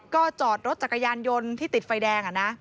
ก็จอดรถจักรยานยนต์ที่ติดไฟแดง